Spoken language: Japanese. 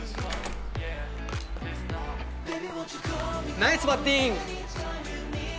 ナイスバッティング！